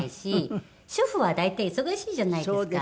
主婦は大体忙しいじゃないですか。